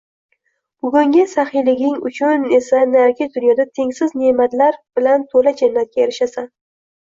Bugungi saxiyliging uchun esa narigi dunyoda tengsiz ne`matlar bilan to`la Jannatga erishasan